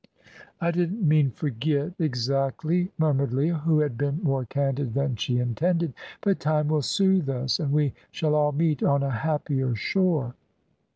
"I didn't mean forget exactly," murmured Leah, who had been more candid than she intended; "but time will soothe us, and we shall all meet on a happier shore."